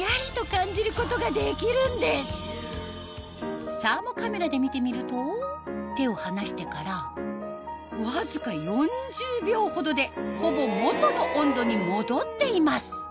つまりサーモカメラで見てみると手を離してからわずか４０秒ほどでほぼ元の温度に戻っています